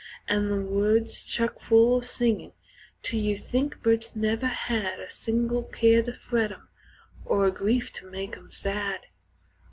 An' the woods chock full o' singin' till you'd think birds never had A single care to fret 'em or a grief to make 'em sad.